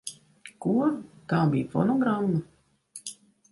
Ko? Tā bija fonogramma?